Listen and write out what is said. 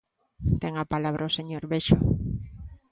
Ten a palabra o señor Bexo.